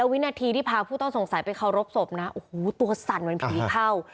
วินาทีที่พาผู้ต้องสงสัยไปเคารพศพนะโอ้โหตัวสั่นเหมือนผีเข้า